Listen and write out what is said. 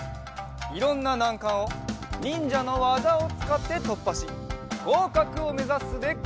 いろんななんかんをにんじゃのわざをつかってとっぱしごうかくをめざすでござる！